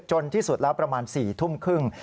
ที่สุดแล้วประมาณ๔ทุ่มครึ่ง